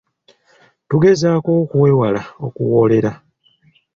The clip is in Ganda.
Tugezeeko okwewala okuwoolera.